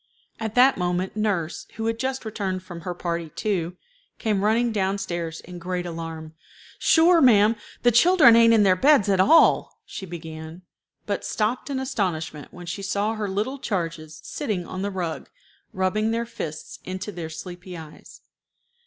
At that moment nurse, who had just returned from her party too, came running down stairs in great alarm. "Sure, ma'am, the children ain't in their beds at all," she began, but stopped in astonishment when she saw her little charges sitting on the rug, rubbing their fists into their sleepy eyes.